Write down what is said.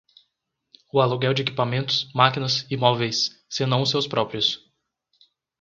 O aluguel de equipamentos, máquinas e móveis, se não os seus próprios.